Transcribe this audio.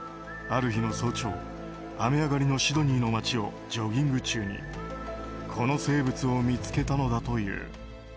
ある日の早朝雨上がりのシドニーの町をジョギング中にこの生物を見つけたのだという。